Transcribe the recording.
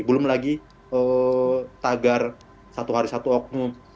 belum lagi tagar satu hari satu oknum